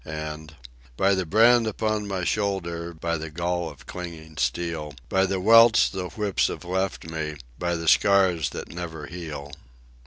.." And: "By the brand upon my shoulder, by the gall of clinging steel, By the welts the whips have left me, by the scars that never heal